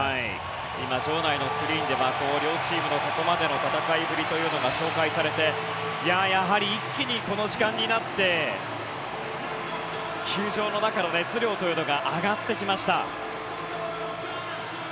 今、場内のスクリーンでは両チームのここまでの戦いぶりが紹介されてやはり一気にこの時間になって球場の中の熱量が上がってきました。